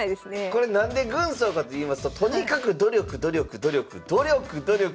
これ何で軍曹かといいますととにかく努力努力努力努力努力